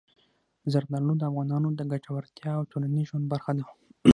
زردالو د افغانانو د ګټورتیا او ټولنیز ژوند برخه ده.